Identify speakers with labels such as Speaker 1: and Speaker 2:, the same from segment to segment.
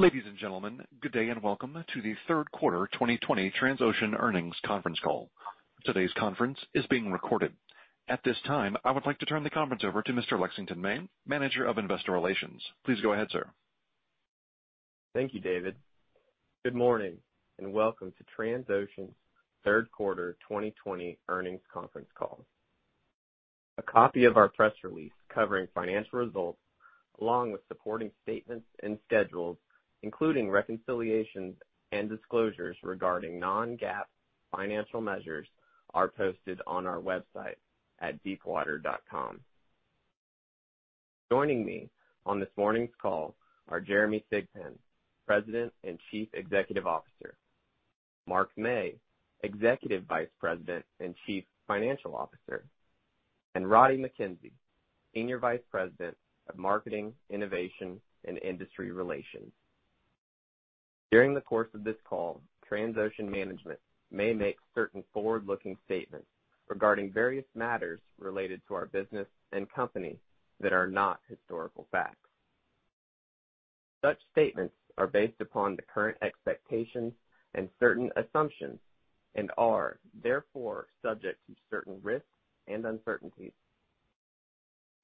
Speaker 1: Ladies and gentlemen, good day and welcome to the Third Quarter 2020 Transocean Earnings Conference Call. Today's conference is being recorded. At this time, I would like to turn the conference over to Mr. Lexington May, Manager of Investor Relations. Please go ahead, sir.
Speaker 2: Thank you, David. Good morning. Welcome to Transocean's third quarter 2020 earnings conference call. A copy of our press release covering financial results along with supporting statements and schedules, including reconciliations and disclosures regarding non-GAAP financial measures, are posted on our website at deepwater.com. Joining me on this morning's call are Jeremy Thigpen, President and Chief Executive Officer, Mark Mey, Executive Vice President and Chief Financial Officer, and Roddie Mackenzie, Senior Vice President of Marketing, Innovation and Industry Relations. During the course of this call, Transocean Management may make certain forward-looking statements regarding various matters related to our business and company that are not historical facts. Such statements are based upon the current expectations and certain assumptions and are therefore subject to certain risks and uncertainties.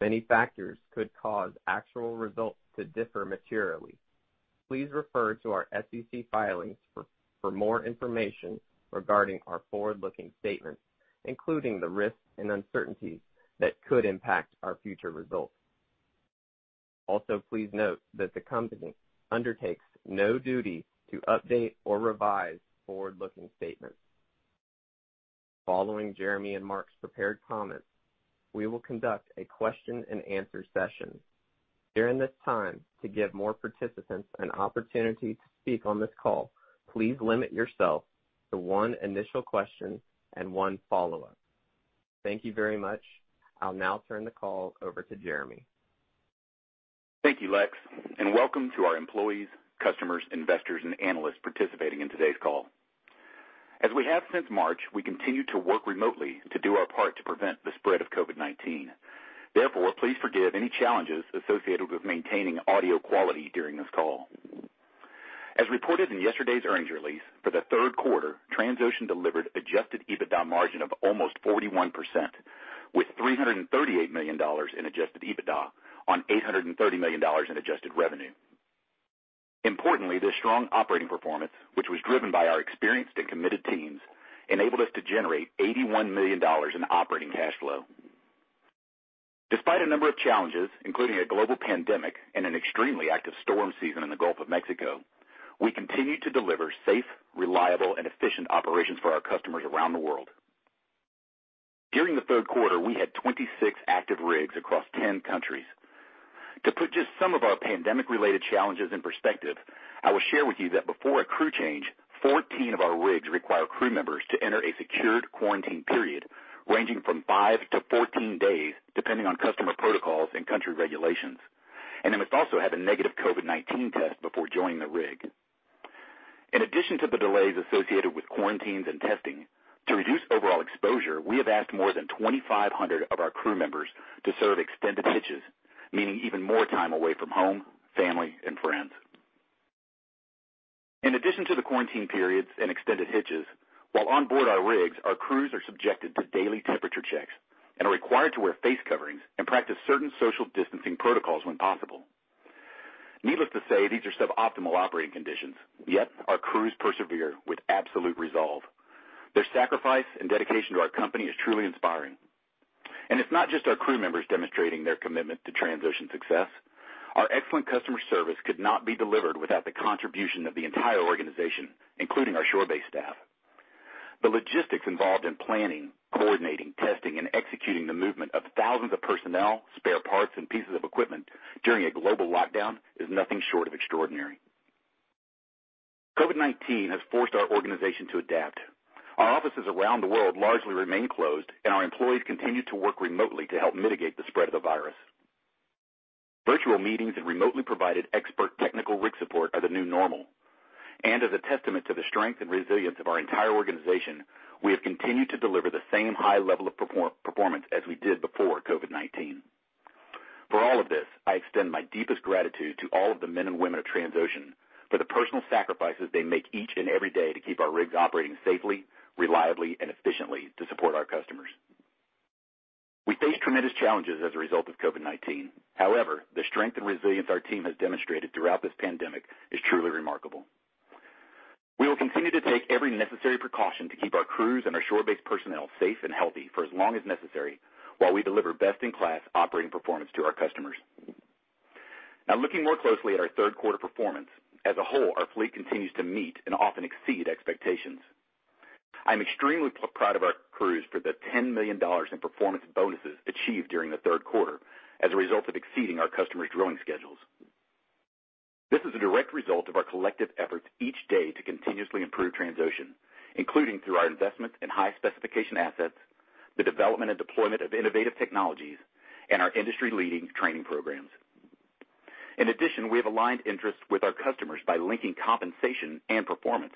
Speaker 2: Many factors could cause actual results to differ materially. Please refer to our SEC filings for more information regarding our forward-looking statements, including the risks and uncertainties that could impact our future results. Also, please note that the company undertakes no duty to update or revise forward-looking statements. Following Jeremy and Mark's prepared comments, we will conduct a question and answer session. During this time to give more participants an opportunity to speak on this call, please limit yourself to one initial question and one follow-up. Thank you very much. I'll now turn the call over to Jeremy.
Speaker 3: Thank you, Lex, and welcome to our employees, customers, investors, and analysts participating in today's call. As we have since March, we continue to work remotely to do our part to prevent the spread of COVID-19. Therefore, please forgive any challenges associated with maintaining audio quality during this call. As reported in yesterday's earnings release, for the third quarter, Transocean delivered adjusted EBITDA margin of almost 41%, with $338 million in adjusted EBITDA on $830 million in adjusted revenue. Importantly, this strong operating performance, which was driven by our experienced and committed teams, enabled us to generate $81 million in operating cash flow. Despite a number of challenges, including a global pandemic and an extremely active storm season in the Gulf of Mexico, we continued to deliver safe, reliable and efficient operations for our customers around the world. During the third quarter, we had 26 active rigs across 10 countries. To put just some of our pandemic-related challenges in perspective, I will share with you that before a crew change, 14 of our rigs require crew members to enter a secured quarantine period ranging from 5-14 days, depending on customer protocols and country regulations, and they must also have a negative COVID-19 test before joining the rig. In addition to the delays associated with quarantines and testing, to reduce overall exposure, we have asked more than 2,500 of our crew members to serve extended hitches, meaning even more time away from home, family and friends. In addition to the quarantine periods and extended hitches, while on board our rigs, our crews are subjected to daily temperature checks and are required to wear face coverings and practice certain social distancing protocols when possible. Needless to say, these are suboptimal operating conditions, yet our crews persevere with absolute resolve. Their sacrifice and dedication to our company is truly inspiring. It's not just our crew members demonstrating their commitment to Transocean's success. Our excellent customer service could not be delivered without the contribution of the entire organization, including our shore-based staff. The logistics involved in planning, coordinating, testing, and executing the movement of thousands of personnel, spare parts, and pieces of equipment during a global lockdown is nothing short of extraordinary. COVID-19 has forced our organization to adapt. Our offices around the world largely remain closed, and our employees continue to work remotely to help mitigate the spread of the virus. Virtual meetings and remotely provided expert technical rig support are the new normal, as a testament to the strength and resilience of our entire organization, we have continued to deliver the same high level of performance as we did before COVID-19. For all of this, I extend my deepest gratitude to all of the men and women of Transocean for the personal sacrifices they make each and every day to keep our rigs operating safely, reliably, and efficiently to support our customers. We face tremendous challenges as a result of COVID-19. However, the strength and resilience our team has demonstrated throughout this pandemic is truly remarkable. We will continue to take every necessary precaution to keep our crews and our shore-based personnel safe and healthy for as long as necessary while we deliver best-in-class operating performance to our customers. Now looking more closely at our third quarter performance. As a whole, our fleet continues to meet and often exceed expectations. I'm extremely proud of our crews for the $10 million in performance bonuses achieved during the third quarter as a result of exceeding our customers' drilling schedules. This is a direct result of our collective efforts each day to continuously improve Transocean, including through our investments in high-specification assets, the development and deployment of innovative technologies, and our industry-leading training programs. In addition, we have aligned interests with our customers by linking compensation and performance,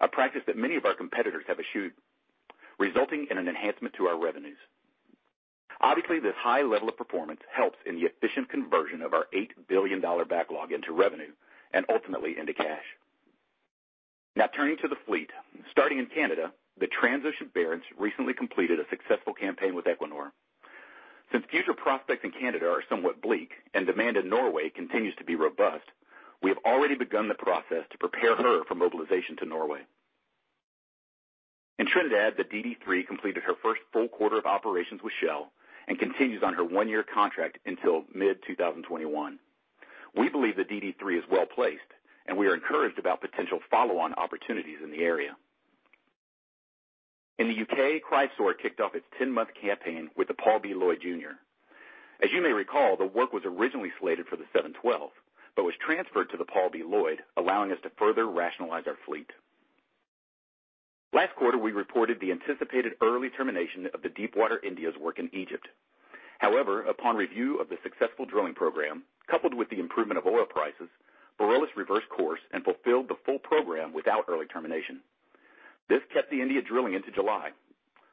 Speaker 3: a practice that many of our competitors have eschewed, resulting in an enhancement to our revenues. Obviously, this high level of performance helps in the efficient conversion of our $8 billion backlog into revenue and ultimately into cash. Now turning to the fleet. Starting in Canada, the Transocean Barents recently completed a successful campaign with Equinor. Since future prospects in Canada are somewhat bleak and demand in Norway continues to be robust, we have already begun the process to prepare her for mobilization to Norway. In Trinidad, the DD3 completed her first full quarter of operations with Shell and continues on her one-year contract until mid-2021. We believe the DD3 is well-placed, and we are encouraged about potential follow-on opportunities in the area. In the U.K., Chrysaor kicked off its 10-month campaign with the Paul B. Loyd, Jr. As you may recall, the work was originally slated for the 712 but was transferred to the Paul B. Loyd, allowing us to further rationalize our fleet. Last quarter, we reported the anticipated early termination of the Discoverer India's work in Egypt. However, upon review of the successful drilling program, coupled with the improvement of oil prices, Burullus reversed course and fulfilled the full program without early termination. This kept the India drilling into July.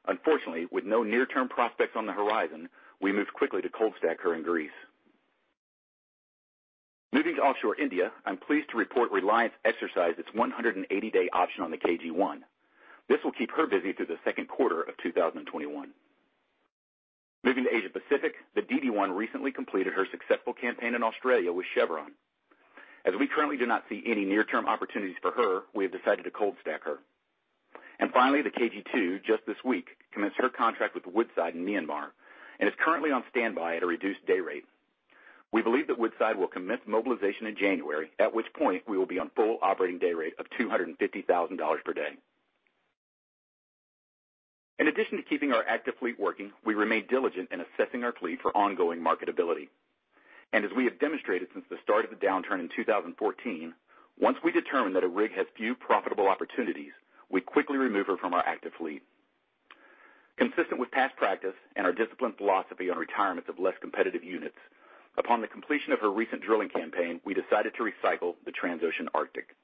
Speaker 3: Unfortunately, with no near-term prospects on the horizon, we moved quickly to cold stack her in Greece. Moving to offshore India, I'm pleased to report Reliance exercised its 180-day option on the KG1. This will keep her busy through the second quarter of 2021. Moving to Asia Pacific, the DD1 recently completed her successful campaign in Australia with Chevron. As we currently do not see any near-term opportunities for her, we have decided to cold stack her. Finally, the KG2, just this week, commenced her contract with Woodside in Myanmar and is currently on standby at a reduced day rate. We believe that Woodside will commence mobilization in January, at which point we will be on full operating day rate of $250,000 per day. In addition to keeping our active fleet working, we remain diligent in assessing our fleet for ongoing marketability. As we have demonstrated since the start of the downturn in 2014, once we determine that a rig has few profitable opportunities, we quickly remove her from our active fleet. Consistent with past practice and our disciplined philosophy on retirements of less competitive units, upon the completion of her recent drilling campaign, we decided to recycle the Transocean Arctic.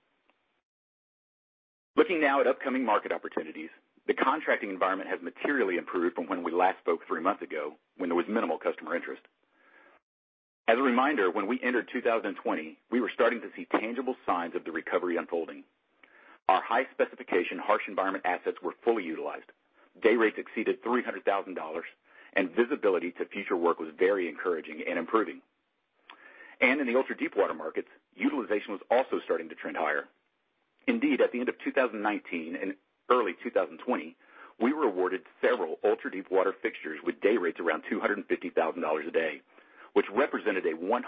Speaker 3: Looking now at upcoming market opportunities, the contracting environment has materially improved from when we last spoke three months ago when there was minimal customer interest. As a reminder, when we entered 2020, we were starting to see tangible signs of the recovery unfolding. Our high-specification, harsh environment assets were fully utilized. Day rates exceeded $300,000, and visibility to future work was very encouraging and improving. In the ultra-deepwater markets, utilization was also starting to trend higher. Indeed, at the end of 2019 and early 2020, we were awarded several ultra-deepwater fixtures with day rates around $250,000 a day, which represented a 100%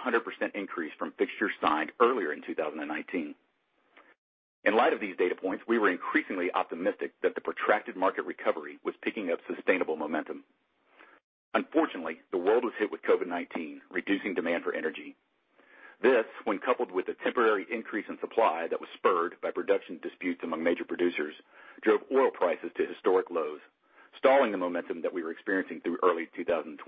Speaker 3: increase from fixtures signed earlier in 2019. In light of these data points, we were increasingly optimistic that the protracted market recovery was picking up sustainable momentum. Unfortunately, the world was hit with COVID-19, reducing demand for energy. This, when coupled with a temporary increase in supply that was spurred by production disputes among major producers, drove oil prices to historic lows, stalling the momentum that we were experiencing through early 2020.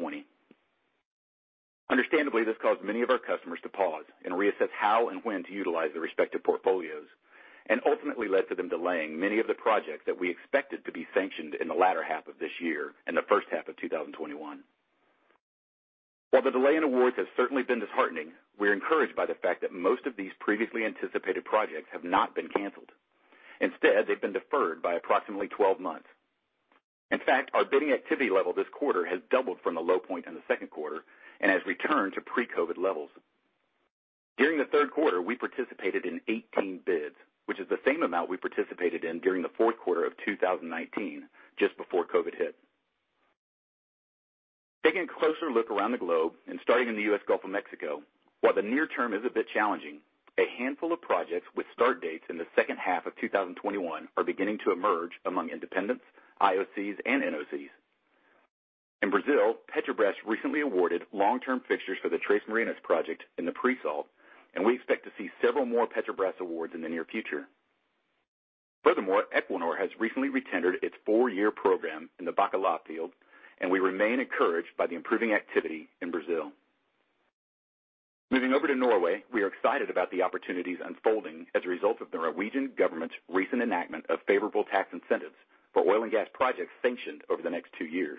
Speaker 3: Understandably, this caused many of our customers to pause and reassess how and when to utilize their respective portfolios and ultimately led to them delaying many of the projects that we expected to be sanctioned in the latter half of this year and the first half of 2021. While the delay in awards has certainly been disheartening, we're encouraged by the fact that most of these previously anticipated projects have not been canceled. Instead, they've been deferred by approximately 12 months. In fact, our bidding activity level this quarter has doubled from the low point in the second quarter and has returned to pre-COVID levels. During the third quarter, we participated in 18 bids, which is the same amount we participated in during the fourth quarter of 2019, just before COVID hit. Taking a closer look around the globe and starting in the U.S. Gulf of Mexico, while the near term is a bit challenging, a handful of projects with start dates in the second half of 2021 are beginning to emerge among independents, IOCs, and NOCs. In Brazil, Petrobras recently awarded long-term fixtures for the Três Marias project in the pre-salt, and we expect to see several more Petrobras awards in the near future. Furthermore, Equinor has recently re-tendered its four-year program in the Bacalhau field, and we remain encouraged by the improving activity in Brazil. Moving over to Norway, we are excited about the opportunities unfolding as a result of the Norwegian government's recent enactment of favorable tax incentives for oil and gas projects sanctioned over the next two years.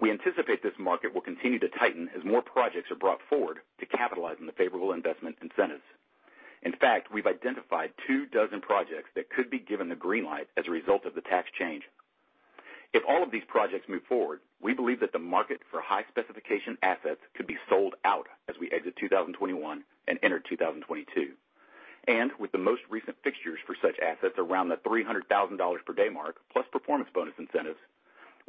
Speaker 3: We anticipate this market will continue to tighten as more projects are brought forward to capitalize on the favorable investment incentives. In fact, we've identified two dozen projects that could be given the green light as a result of the tax change. If all of these projects move forward, we believe that the market for high-specification assets could be sold out as we exit 2021 and enter 2022. With the most recent fixtures for such assets around the $300,000 per day mark, plus performance bonus incentives,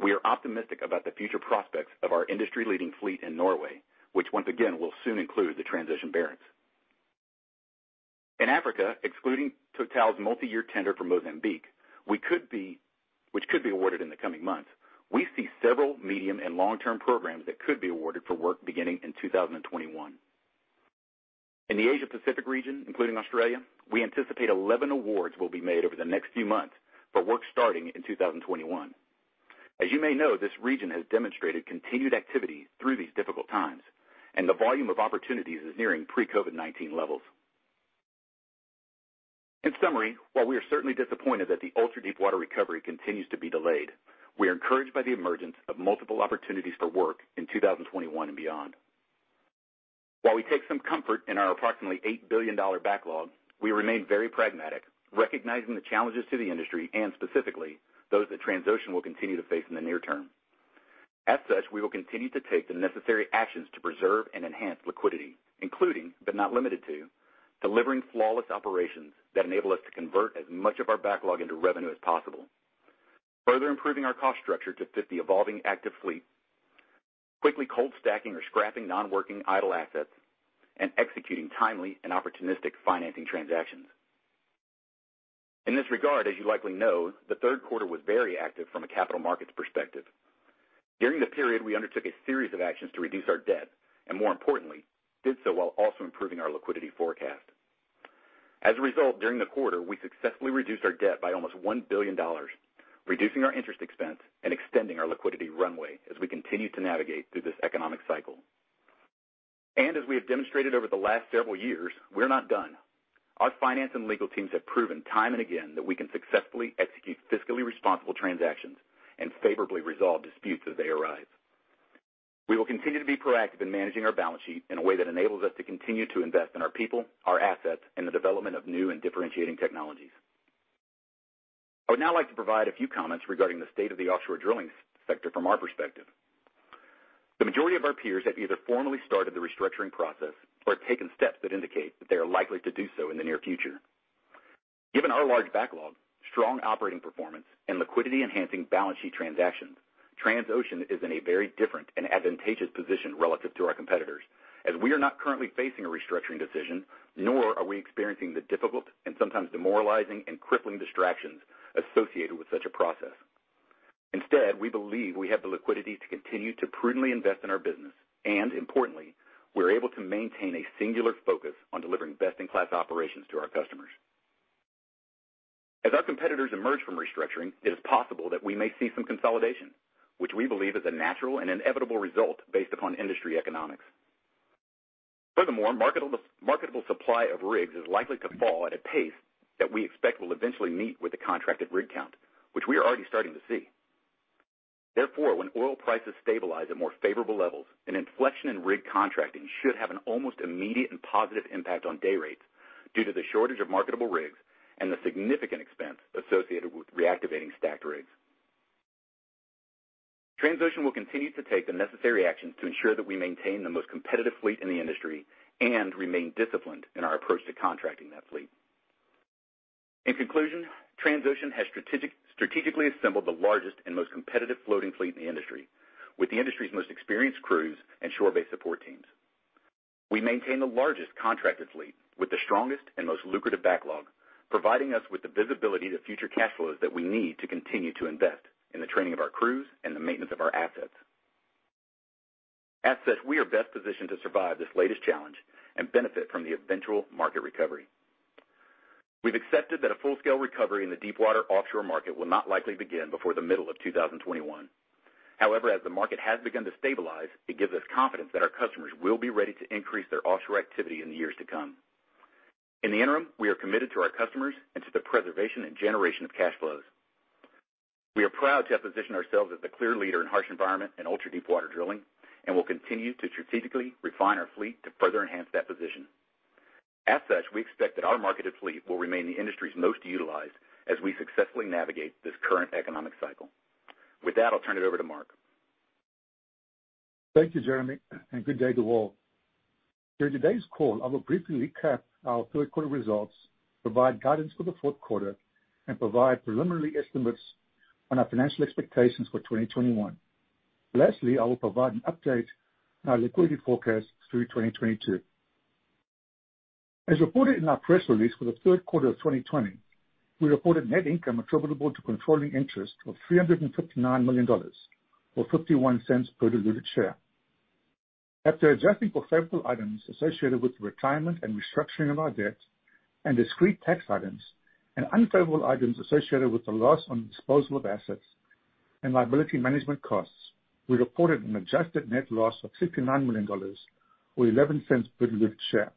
Speaker 3: we are optimistic about the future prospects of our industry-leading fleet in Norway, which once again will soon include the Transocean Barents. In Africa, excluding Total's multi-year tender for Mozambique, which could be awarded in the coming months, we see several medium and long-term programs that could be awarded for work beginning in 2021. In the Asia Pacific region, including Australia, we anticipate 11 awards will be made over the next few months for work starting in 2021. As you may know, this region has demonstrated continued activity through these difficult times, and the volume of opportunities is nearing pre-COVID-19 levels. In summary, while we are certainly disappointed that the ultra-deepwater recovery continues to be delayed, we are encouraged by the emergence of multiple opportunities for work in 2021 and beyond. While we take some comfort in our approximately $8 billion backlog, we remain very pragmatic, recognizing the challenges to the industry, and specifically, those that Transocean will continue to face in the near term. As such, we will continue to take the necessary actions to preserve and enhance liquidity, including, but not limited to, delivering flawless operations that enable us to convert as much of our backlog into revenue as possible, further improving our cost structure to fit the evolving active fleet, quickly cold stacking or scrapping non-working idle assets, and executing timely and opportunistic financing transactions. In this regard, as you likely know, the third quarter was very active from a capital markets perspective. During the period, we undertook a series of actions to reduce our debt, and more importantly, did so while also improving our liquidity forecast. As a result, during the quarter, we successfully reduced our debt by almost $1 billion, reducing our interest expense and extending our liquidity runway as we continue to navigate through this economic cycle. As we have demonstrated over the last several years, we're not done. Our finance and legal teams have proven time and again that we can successfully execute fiscally responsible transactions and favorably resolve disputes as they arise. We will continue to be proactive in managing our balance sheet in a way that enables us to continue to invest in our people, our assets, and the development of new and differentiating technologies. I would now like to provide a few comments regarding the state of the offshore drilling sector from our perspective. The majority of our peers have either formally started the restructuring process or taken steps that indicate that they are likely to do so in the near future. Given our large backlog, strong operating performance, and liquidity-enhancing balance sheet transactions, Transocean is in a very different and advantageous position relative to our competitors, as we are not currently facing a restructuring decision, nor are we experiencing the difficult and sometimes demoralizing and crippling distractions associated with such a process. Instead, we believe we have the liquidity to continue to prudently invest in our business, and importantly, we are able to maintain a singular focus on delivering best-in-class operations to our customers. As our competitors emerge from restructuring, it is possible that we may see some consolidation, which we believe is a natural and inevitable result based upon industry economics. Furthermore, marketable supply of rigs is likely to fall at a pace that we expect will eventually meet with the contracted rig count, which we are already starting to see. Therefore, when oil prices stabilize at more favorable levels, an inflection in rig contracting should have an almost immediate and positive impact on day rates due to the shortage of marketable rigs and the significant expense associated with reactivating stacked rigs. Transocean will continue to take the necessary actions to ensure that we maintain the most competitive fleet in the industry and remain disciplined in our approach to contracting that fleet. In conclusion, Transocean has strategically assembled the largest and most competitive floating fleet in the industry, with the industry's most experienced crews and shore-based support teams. We maintain the largest contracted fleet with the strongest and most lucrative backlog, providing us with the visibility to future cash flows that we need to continue to invest in the training of our crews and the maintenance of our assets. As such, we are best positioned to survive this latest challenge and benefit from the eventual market recovery. We've accepted that a full-scale recovery in the deepwater offshore market will not likely begin before the middle of 2021. However, as the market has begun to stabilize, it gives us confidence that our customers will be ready to increase their offshore activity in the years to come. In the interim, we are committed to our customers and to the preservation and generation of cash flows. We are proud to have positioned ourselves as the clear leader in harsh environment and ultra-deepwater drilling, and will continue to strategically refine our fleet to further enhance that position. As such, we expect that our marketed fleet will remain the industry's most utilized as we successfully navigate this current economic cycle. With that, I'll turn it over to Mark.
Speaker 4: Thank you, Jeremy. Good day to all. During today's call, I will briefly recap our third quarter results, provide guidance for the fourth quarter, and provide preliminary estimates on our financial expectations for 2021. Lastly, I will provide an update on our liquidity forecast through 2022. As reported in our press release for the third quarter of 2020, we reported net income attributable to controlling interest of $359 million, or $0.51 per diluted share. After adjusting for favorable items associated with the retirement and restructuring of our debt and discrete tax items and unfavorable items associated with the loss on disposal of assets and liability management costs, we reported an adjusted net loss of $59 million, or $0.11 per diluted share.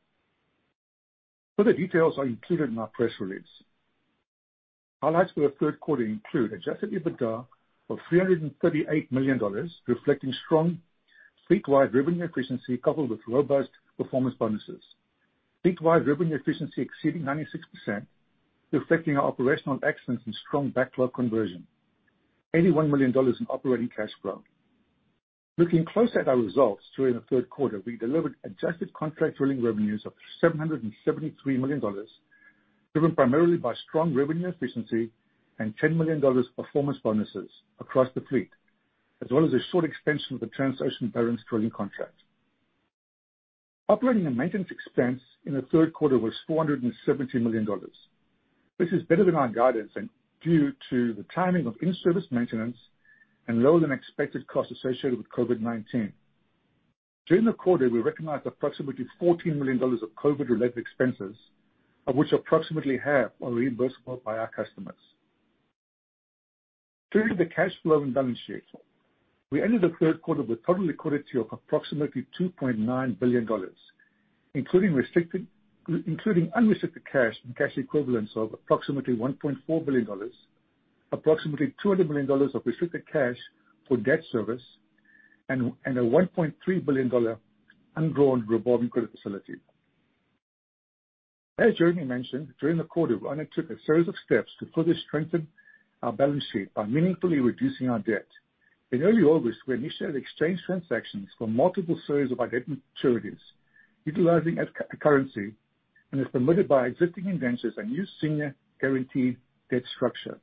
Speaker 4: Further details are included in our press release. Highlights for the third quarter include adjusted EBITDA of $338 million, reflecting strong fleet-wide revenue efficiency coupled with robust performance bonuses. Fleet-wide revenue efficiency exceeding 96%, reflecting our operational excellence and strong backlog conversion. $81 million in operating cash flow. Looking closely at our results during the third quarter, we delivered adjusted contract drilling revenues of $773 million, driven primarily by strong revenue efficiency and $10 million performance bonuses across the fleet, as well as a short extension of the Transocean Barents drilling contract. Operating and maintenance expense in the third quarter was $470 million. This is better than our guidance and due to the timing of in-service maintenance and lower-than-expected costs associated with COVID-19. During the quarter, we recognized approximately $14 million of COVID-related expenses, of which approximately half are reimbursable by our customers. Turning to the cash flow and balance sheet. We ended the third quarter with total liquidity of approximately $2.9 billion, including unrestricted cash and cash equivalents of approximately $1.4 billion, approximately $200 million of restricted cash for debt service, and a $1.3 billion undrawn revolving credit facility. As Jeremy mentioned, during the quarter, we undertook a series of steps to further strengthen our balance sheet by meaningfully reducing our debt. In early August, we initiated exchange transactions for multiple series of our debt maturities, utilizing at currency and as permitted by existing indentures, a new senior guaranteed debt structure.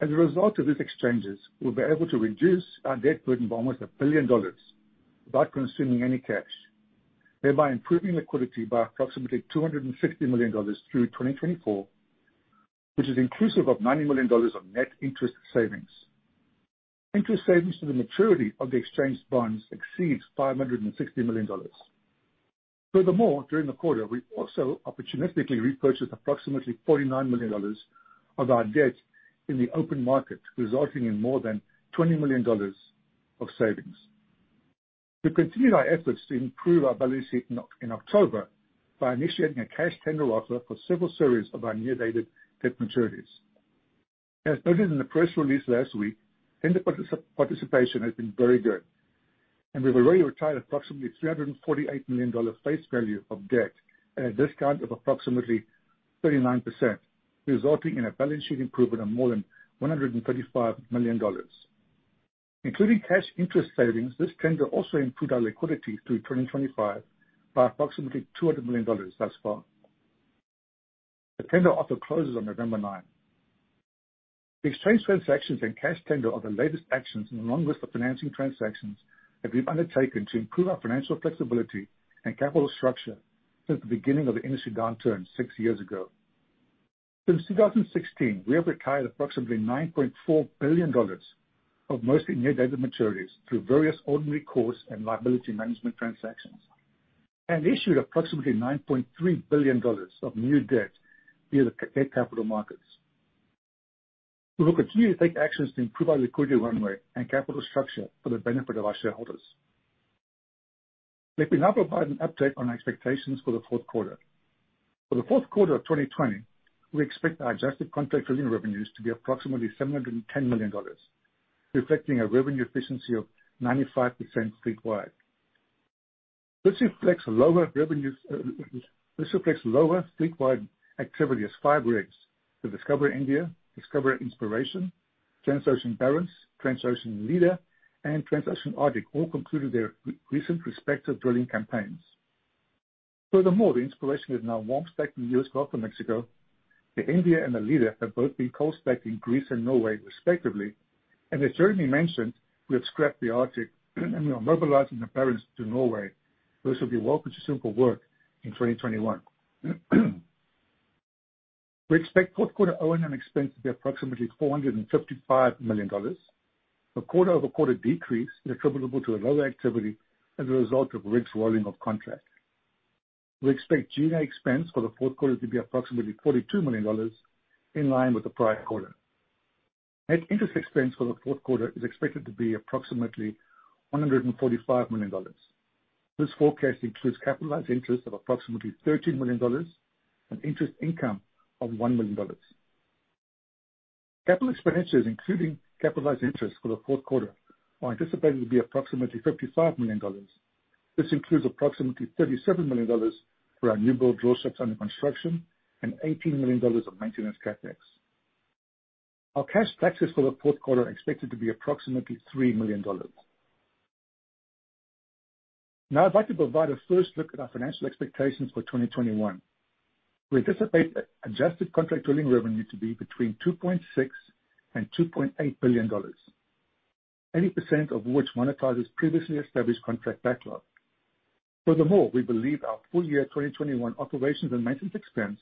Speaker 4: A result of these exchanges, we'll be able to reduce our debt burden by almost $1 billion without consuming any cash, thereby improving liquidity by approximately $260 million through 2024, which is inclusive of $90 million of net interest savings. Interest savings to the maturity of the exchange bonds exceeds $560 million. Furthermore, during the quarter, we also opportunistically repurchased approximately $49 million of our debt in the open market, resulting in more than $20 million of savings. We continued our efforts to improve our balance sheet in October by initiating a cash tender offer for several series of our near-dated debt maturities. As noted in the press release last week, tender participation has been very good, and we've already retired approximately $348 million face value of debt at a discount of approximately 39%, resulting in a balance sheet improvement of more than $135 million. Including cash interest savings, this tender also improved our liquidity through 2025 by approximately $200 million thus far. The tender offer closes on November 9. The exchange transactions and cash tender are the latest actions in a long list of financing transactions that we've undertaken to improve our financial flexibility and capital structure since the beginning of the industry downturn six years ago. Since 2016, we have retired approximately $9.4 billion of mostly near-dated maturities through various ordinary course and liability management transactions, and issued approximately $9.3 billion of new debt via the capital markets. We will continue to take actions to improve our liquidity runway and capital structure for the benefit of our shareholders. Let me now provide an update on our expectations for the fourth quarter. For the fourth quarter of 2020, we expect our adjusted contract drilling revenues to be approximately $710 million, reflecting a revenue efficiency of 95% fleet wide. This reflects lower fleet-wide activity as five rigs, the Discoverer India, Discoverer Inspiration, Transocean Barents, Transocean Leader, and Transocean Arctic all concluded their recent respective drilling campaigns. The Inspiration is now warm stacked in the U.S. Gulf of Mexico. The India and the Leader have both been cold stacked in Greece and Norway respectively. As Jeremy mentioned, we have scrapped the Arctic and we are mobilizing the Barents to Norway. Those will be welcomed to simple work in 2021. We expect fourth quarter O&M expense to be approximately $455 million, a quarter-over-quarter decrease attributable to a lower activity as a result of rigs rolling off contract. We expect G&A expense for the fourth quarter to be approximately $42 million, in line with the prior quarter. Net interest expense for the fourth quarter is expected to be approximately $145 million. This forecast includes capitalized interest of approximately $13 million and interest income of $1 million. Capital expenditures including capitalized interest for the fourth quarter are anticipated to be approximately $55 million. This includes approximately $37 million for our newbuild drillships under construction and $18 million of maintenance CapEx. Our cash taxes for the fourth quarter are expected to be approximately $3 million. I'd like to provide a first look at our financial expectations for 2021. We anticipate adjusted contract drilling revenue to be between $2.6 billion and $2.8 billion, 80% of which monetize previously established contract backlog. Furthermore, we believe our full year 2021 operations and maintenance expense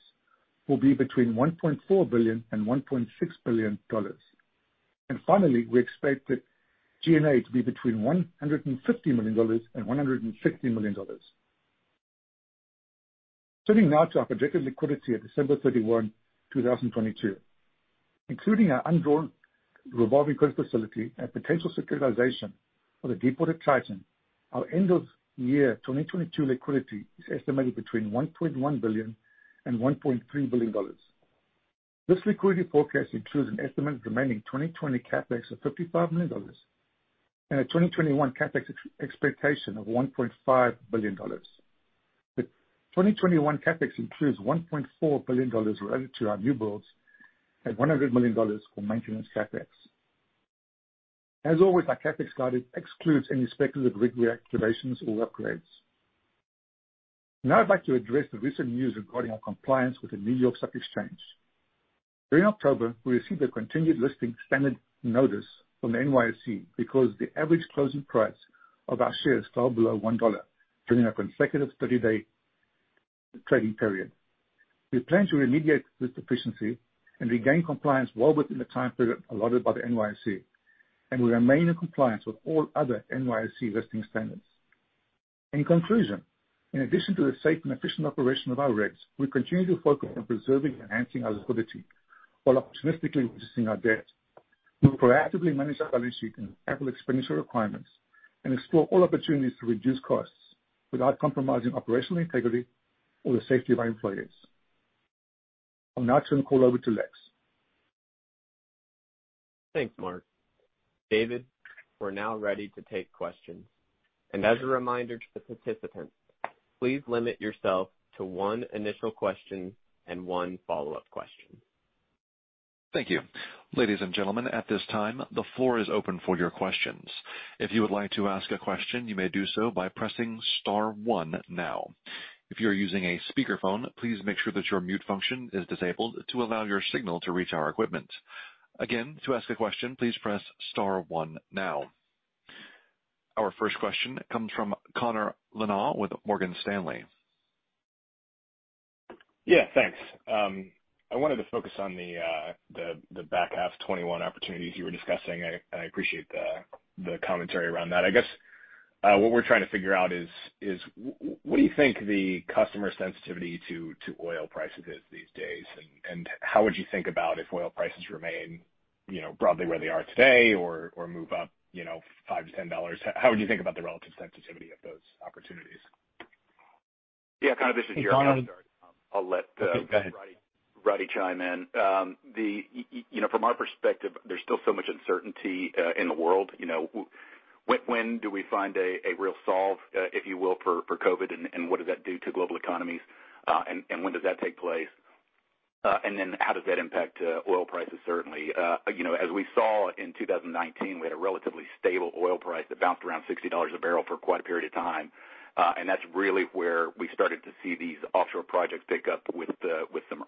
Speaker 4: will be between $1.4 billion and $1.6 billion. Finally, we expect that G&A to be between $150 million and $160 million. Turning now to our projected liquidity at December 31, 2022. Including our undrawn revolving credit facility and potential securitization for the Deepwater Titan, our end of year 2022 liquidity is estimated between $1.1 billion and $1.3 billion. This liquidity forecast includes an estimated remaining 2020 CapEx of $55 million and a 2021 CapEx expectation of $1.5 billion. The 2021 CapEx includes $1.4 billion related to our newbuilds and $100 million for maintenance CapEx. As always, our CapEx guidance excludes any speculative rig reactivations or upgrades. Now I'd like to address the recent news regarding our compliance with the New York Stock Exchange. During October, we received a continued listing standard notice from the NYSE because the average closing price of our shares fell below $1 during a consecutive 30-day trading period. We plan to remediate this deficiency and regain compliance well within the time period allotted by the NYSE, and we remain in compliance with all other NYSE listing standards. In conclusion, in addition to the safe and efficient operation of our rigs, we continue to focus on preserving and enhancing our liquidity while opportunistically reducing our debt. We'll proactively manage our balance sheet and capital expenditure requirements and explore all opportunities to reduce costs without compromising operational integrity or the safety of our employees. I'll now turn the call over to Lex.
Speaker 2: Thanks, Mark. David, we're now ready to take questions. As a reminder to the participants, please limit yourself to one initial question and one follow-up question.
Speaker 1: Thank you. Ladies and gentlemen, at this time, the floor is open for your questions. If you would like to ask a question, you may do so by pressing star one now. If you are using a speakerphone, please make sure that your mute function is disabled to allow your signal to reach our equipment. Again, to ask a question, please press star one now. Our first question comes from Connor Lynagh with Morgan Stanley.
Speaker 5: Yeah, thanks. I wanted to focus on the back half 2021 opportunities you were discussing. I appreciate the commentary around that. I guess, what we're trying to figure out is, what do you think the customer sensitivity to oil prices is these days, and how would you think about if oil prices remain broadly where they are today or move up $5-$10? How would you think about the relative sensitivity of those opportunities?
Speaker 3: Yeah, Connor, this is Jeremy. I'll start.
Speaker 5: Go ahead.
Speaker 3: Roddie chime in. From our perspective, there's still so much uncertainty in the world. When do we find a real solve, if you will, for COVID-19, and what does that do to global economies? When does that take place? How does that impact oil prices, certainly? As we saw in 2019, we had a relatively stable oil price that bounced around $60 a barrel for quite a period of time. That's really where we started to see these offshore projects pick up with some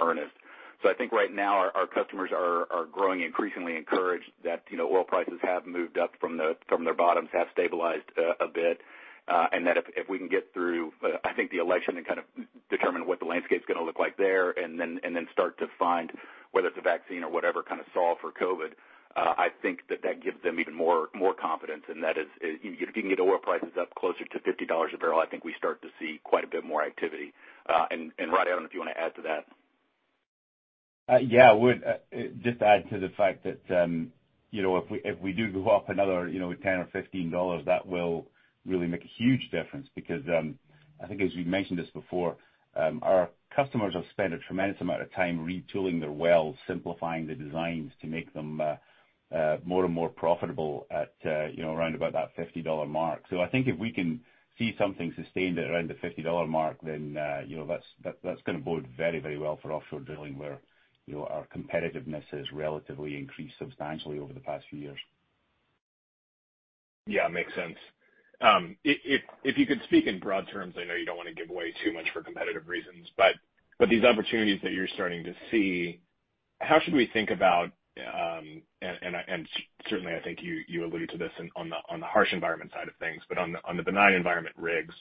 Speaker 3: earnest. I think right now our customers are growing increasingly encouraged that oil prices have moved up from their bottoms, have stabilized a bit. If we can get through, I think, the election and determine what the landscape's going to look like there, and then start to find whether it's a vaccine or whatever kind of solve for COVID, I think that that gives them even more confidence. That is, if you can get oil prices up closer to $50 a barrel, I think we start to see quite a bit more activity. Roddie, I don't know if you want to add to that.
Speaker 6: Yeah, I would just add to the fact that if we do go up another $10 or $15, that will really make a huge difference because I think as we mentioned this before, our customers have spent a tremendous amount of time retooling their wells, simplifying the designs to make them more and more profitable at around about that $50 mark. I think if we can see something sustained at around the $50 mark, then that's going to bode very well for offshore drilling where our competitiveness has relatively increased substantially over the past few years.
Speaker 5: Makes sense. If you could speak in broad terms, I know you don't want to give away too much for competitive reasons, but these opportunities that you're starting to see, how should we think about, and certainly, I think you alluded to this on the harsh environment side of things, but on the benign environment rigs,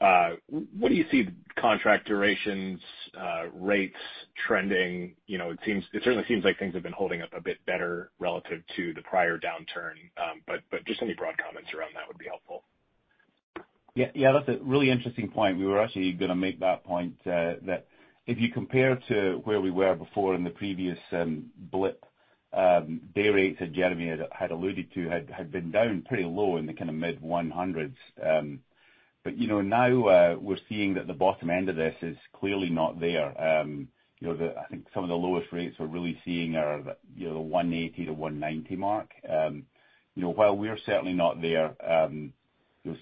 Speaker 5: what do you see the contract durations, rates trending? It certainly seems like things have been holding up a bit better relative to the prior downturn, but just any broad comments around that would be helpful.
Speaker 6: Yeah. That's a really interesting point. We were actually going to make that point, that if you compare to where we were before in the previous blip, day rates that Jeremy had alluded to had been down pretty low in the mid $100s. Now we're seeing that the bottom end of this is clearly not there. I think some of the lowest rates we're really seeing are the $180-$190 mark. While we're certainly not there,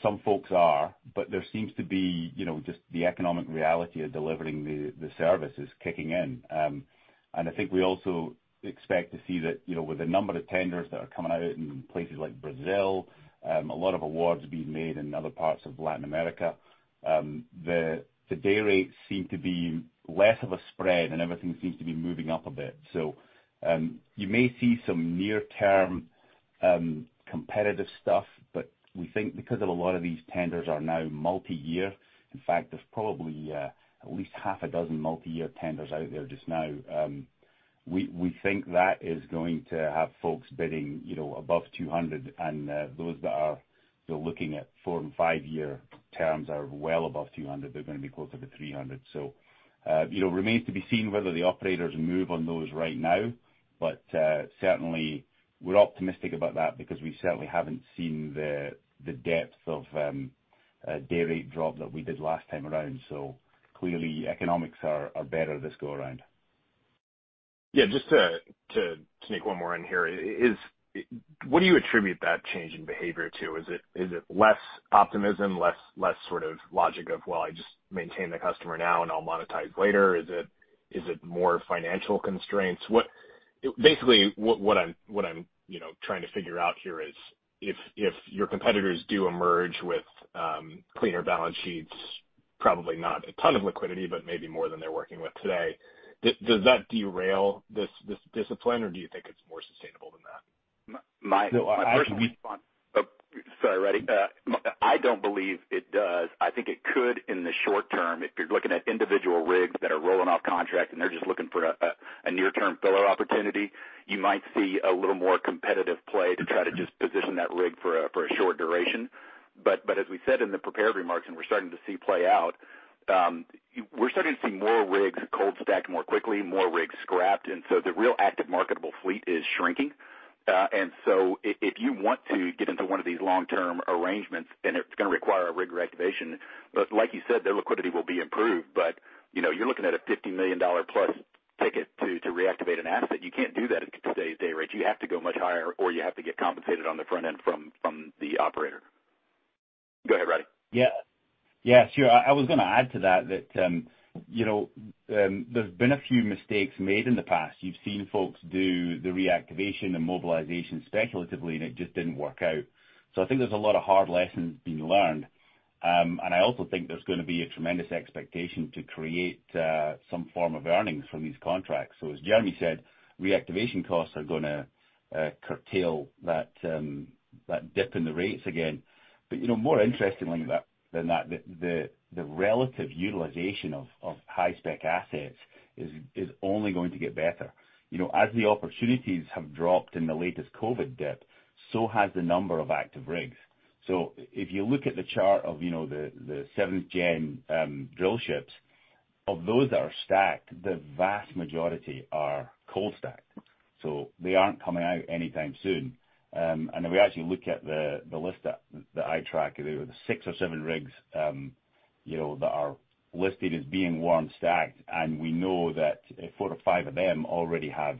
Speaker 6: some folks are, but there seems to be just the economic reality of delivering the service is kicking in. I think we also expect to see that with the number of tenders that are coming out in places like Brazil, a lot of awards being made in other parts of Latin America, the day rates seem to be less of a spread and everything seems to be moving up a bit. You may see some near-term competitive stuff, but we think because of a lot of these tenders are now multi-year, in fact, there's probably at least half a dozen multi-year tenders out there just now. We think that is going to have folks bidding above $200 and those that are looking at four and five-year terms are well above $200. They're going to be closer to $300. It remains to be seen whether the operators move on those right now, but certainly, we're optimistic about that because we certainly haven't seen the depth of day rate drop that we did last time around. Clearly, economics are better this go around.
Speaker 5: Just to sneak one more in here. What do you attribute that change in behavior to? Is it less optimism, less logic of, "Well, I just maintain the customer now and I'll monetize later?" Is it more financial constraints? Basically, what I'm trying to figure out here is, if your competitors do emerge with cleaner balance sheets, probably not a ton of liquidity, but maybe more than they're working with today, does that derail this discipline, or do you think it's more sustainable than that?
Speaker 3: My personal response. [inaudible] Sorry, Roddie. I don't believe it does. I think it could in the short term, if you're looking at individual rigs that are rolling off contract and they're just looking for a near-term filler opportunity, you might see a little more competitive play to try to just position that rig for a short duration. As we said in the prepared remarks, and we're starting to see play out, we're starting to see more rigs cold stacked more quickly, more rigs scrapped. The real active marketable fleet is shrinking. If you want to get into one of these long-term arrangements, then it's going to require a rig reactivation. Like you said, their liquidity will be improved, but you're looking at a $50 million-plus ticket to reactivate an asset. You can't do that at today's day rates. You have to go much higher, or you have to get compensated on the front end from the operator. Go ahead, Roddie.
Speaker 6: Yeah. Sure. I was going to add to that, there's been a few mistakes made in the past. You've seen folks do the reactivation and mobilization speculatively, and it just didn't work out. I think there's a lot of hard lessons being learned. I also think there's going to be a tremendous expectation to create some form of earnings from these contracts. As Jeremy said, reactivation costs are going to curtail that dip in the rates again. More interestingly than that, the relative utilization of high-spec assets is only going to get better. As the opportunities have dropped in the latest COVID-19 dip, so has the number of active rigs. If you look at the chart of the 7th gen drillships, of those that are stacked, the vast majority are cold stacked. They aren't coming out anytime soon. Then we actually look at the list that I track, there were six or seven rigs that are listed as being warm stacked, and we know that four to five of them already have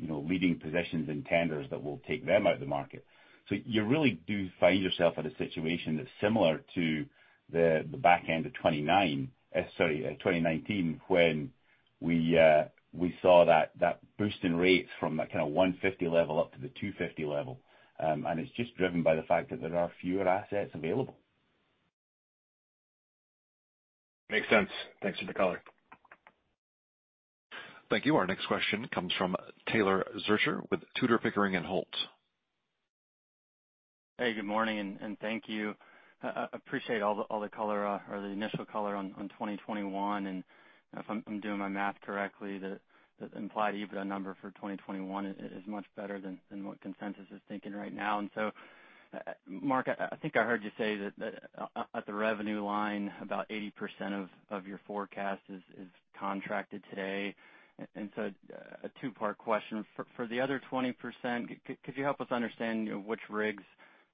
Speaker 6: leading positions in tenders that will take them out of the market. You really do find yourself in a situation that's similar to the back end of 2019, when we saw that boost in rates from that $150 level up to the $250 level. It's just driven by the fact that there are fewer assets available.
Speaker 5: Makes sense. Thanks for the color.
Speaker 1: Thank you. Our next question comes from Taylor Zurcher with Tudor, Pickering & Holt.
Speaker 7: Good morning, and thank you. I appreciate all the color or the initial color on 2021. If I'm doing my math correctly, the implied EBITDA number for 2021 is much better than what consensus is thinking right now. Mark, I think I heard you say that at the revenue line, about 80% of your forecast is contracted today. A two-part question. For the other 20%, could you help us understand which rigs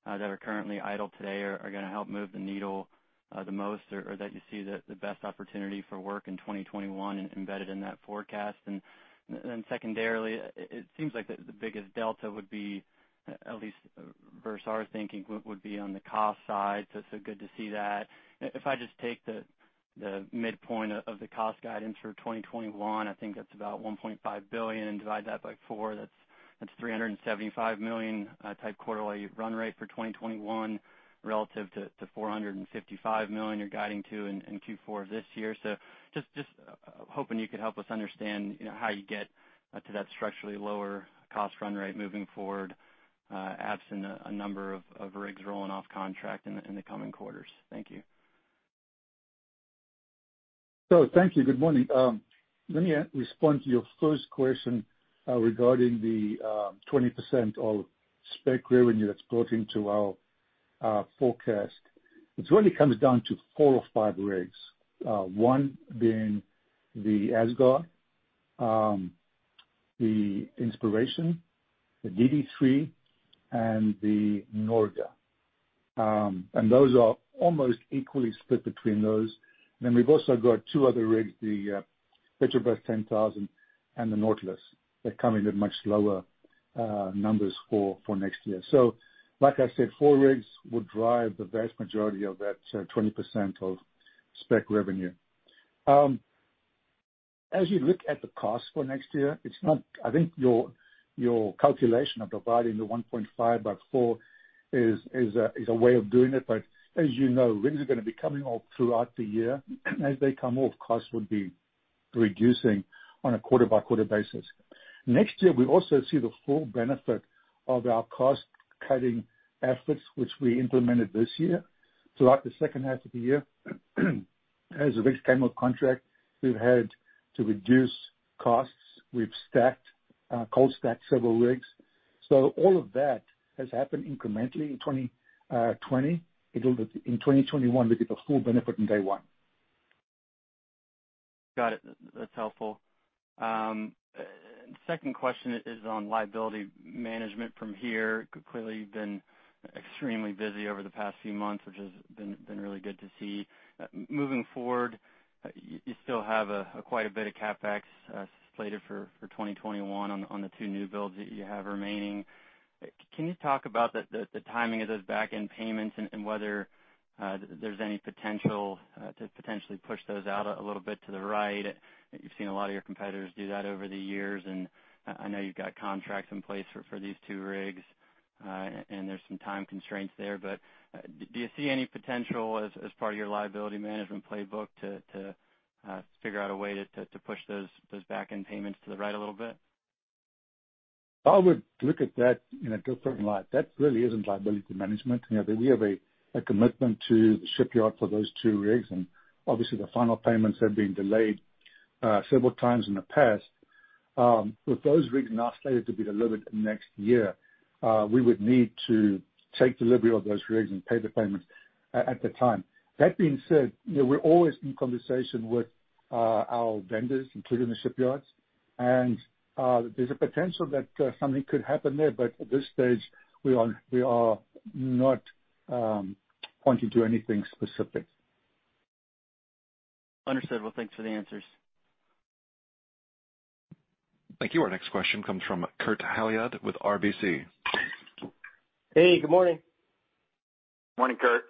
Speaker 7: that are currently idle today are going to help move the needle the most or that you see the best opportunity for work in 2021 embedded in that forecast? Secondarily, it seems like the biggest delta would be, at least vis-à-vis our thinking, would be on the cost side, so it's so good to see that. If I just take the midpoint of the cost guidance for 2021, I think that's about $1.5 billion, divide that by four, that's $375 million type quarterly run rate for 2021 relative to $455 million you're guiding to in Q4 of this year. Just hoping you could help us understand how you get to that structurally lower cost run rate moving forward, absent a number of rigs rolling off contract in the coming quarters. Thank you.
Speaker 4: Thank you. Good morning. Let me respond to your first question regarding the 20% of spec revenue that's built into our forecast. It really comes down to four or five rigs. One being the Asgard, the Inspiration, the DD3, and the Norge. Those are almost equally split between those. We've also got two other rigs, the Petrobras 10000 and the Nautilus, that come in at much lower numbers for next year. Like I said, four rigs would drive the vast majority of that 20% of spec revenue. As you look at the cost for next year, I think your calculation of dividing the $1.5 by four is a way of doing it, but as you know, rigs are going to be coming off throughout the year. As they come off, costs would be reducing on a quarter-by-quarter basis. Next year, we also see the full benefit of our cost-cutting efforts, which we implemented this year. Throughout the second half of the year, as the rigs came off contract, we've had to reduce costs. We've cold stacked several rigs. All of that has happened incrementally in 2020. In 2021, we get the full benefit in day one.
Speaker 7: Got it. That's helpful. Second question is on liability management from here. Clearly, you've been extremely busy over the past few months, which has been really good to see. Moving forward, you still have quite a bit of CapEx slated for 2021 on the two new builds that you have remaining. Can you talk about the timing of those back-end payments and whether there's any potential to potentially push those out a little bit to the right? You've seen a lot of your competitors do that over the years, and I know you've got contracts in place for these two rigs, and there's some time constraints there. Do you see any potential as part of your liability management playbook to figure out a way to push those back-end payments to the right a little bit?
Speaker 4: I would look at that in a different light. That really isn't liability management. We have a commitment to the shipyard for those two rigs, and obviously the final payments have been delayed several times in the past. With those rigs now slated to be delivered next year, we would need to take delivery of those rigs and pay the payments at the time. That being said, we are always in conversation with our vendors, including the shipyards, and there's a potential that something could happen there, but at this stage, we are not pointing to anything specific.
Speaker 7: Understood. Well, thanks for the answers.
Speaker 1: Thank you. Our next question comes from Kurt Hallead with RBC.
Speaker 8: Hey, good morning.
Speaker 6: Morning, Kurt.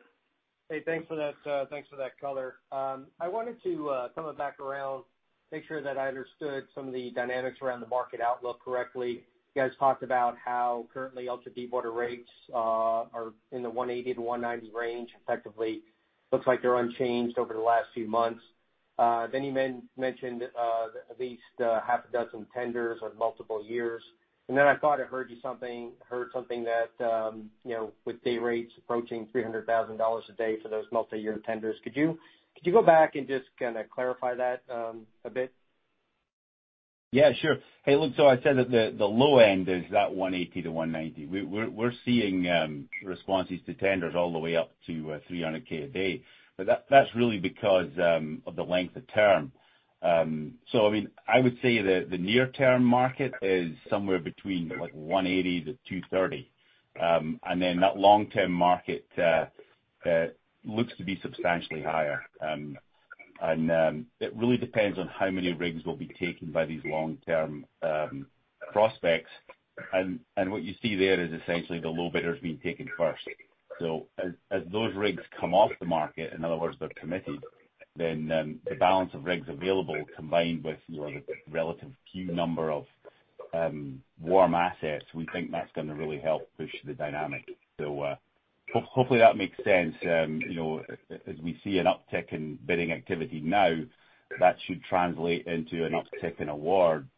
Speaker 8: Hey, thanks for that color. I wanted to come back around, make sure that I understood some of the dynamics around the market outlook correctly. You guys talked about how currently ultra-deepwater rates are in the $180-$190 range, effectively. Looks like they're unchanged over the last few months. You mentioned at least a half a dozen tenders over multiple years. I thought I heard something that with day rates approaching $300,000 a day for those multi-year tenders. Could you go back and just clarify that a bit?
Speaker 6: I said that the low end is that $180-$190. We're seeing responses to tenders all the way up to $300K a day. That's really because of the length of term. I would say the near-term market is somewhere between $180-$230. That long-term market looks to be substantially higher. It really depends on how many rigs will be taken by these long-term prospects. What you see there is essentially the low bidders being taken first. As those rigs come off the market, in other words, they're committed, the balance of rigs available combined with the relative few number of warm stacked, we think that's going to really help push the dynamic. Hopefully that makes sense. As we see an uptick in bidding activity now, that should translate into an uptick in award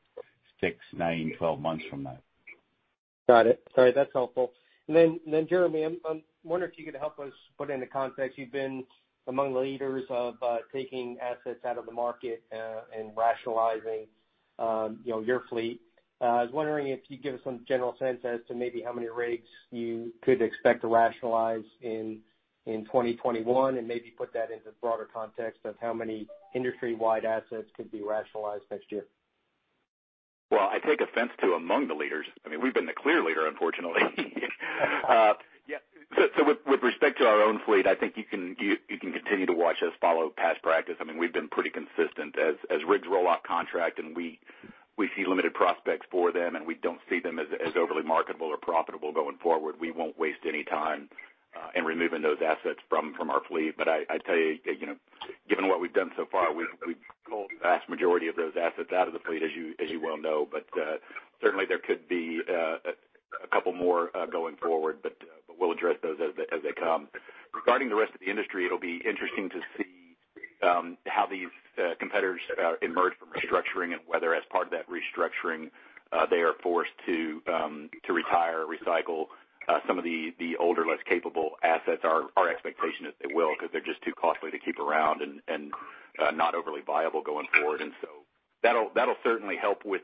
Speaker 6: six, nine, 12 months from now.
Speaker 8: Got it. All right, that's helpful. Then, Jeremy, I'm wondering if you could help us put into context, you've been among the leaders of taking assets out of the market, and rationalizing your fleet. I was wondering if you'd give us some general sense as to maybe how many rigs you could expect to rationalize in 2021, and maybe put that into the broader context of how many industry-wide assets could be rationalized next year.
Speaker 3: Well, I take offense to among the leaders. We've been the clear leader, unfortunately. With respect to our own fleet, I think you can continue to watch us follow past practice. We've been pretty consistent. As rigs roll off contract and we see limited prospects for them, and we don't see them as overly marketable or profitable going forward, we won't waste any time in removing those assets from our fleet. I'd tell you, given what we've done so far, we've pulled the vast majority of those assets out of the fleet, as you well know. Certainly there could be a couple more going forward, but we'll address those as they come. Regarding the rest of the industry, it'll be interesting to see how these competitors emerge from restructuring and whether, as part of that restructuring, they are forced to retire, recycle some of the older, less capable assets. Our expectation is they will, because they're just too costly to keep around and not overly viable going forward. That'll certainly help with